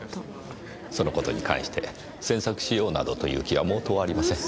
その事に関して詮索しようなどという気は毛頭ありません。